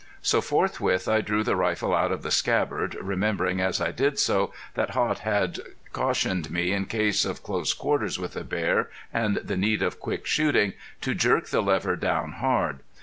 So forthwith I drew the rifle out of the scabbard, remembering as I did so that Haught had cautioned me, in case of close quarters with a bear and the need of quick shooting, to jerk the lever down hard.